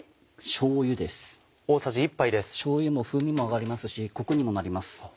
しょうゆも風味も上がりますしコクにもなります。